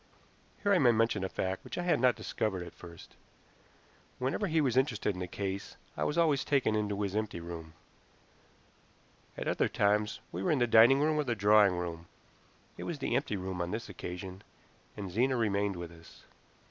Here I may mention a fact which I had not discovered at first. Whenever he was interested in a case I was always taken into his empty room; at other times we were in the dining room or the drawing room. It was the empty room on this occasion, and Zena remained with us.